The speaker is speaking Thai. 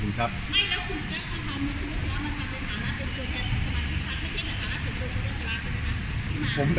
แล้วคุณจ๊ะสมาชิกทัศน์ยกฎุเจรัมัฑันเมืองไปที่ต้องอยู่คุณแพร่